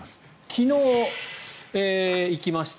昨日、行きました。